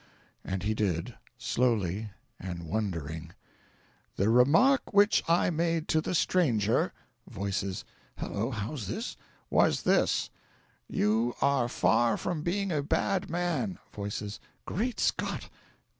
And he did slowly, and wondering: "'The remark which I made to the stranger (Voices. "Hello! how's this?") was this: "You are far from being a bad man. (Voices. "Great Scott!")